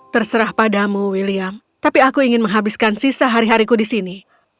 terserah padamu william tapi aku ingin menghabiskan sisa hari hariku di sini